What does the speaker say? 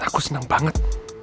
aku senang banget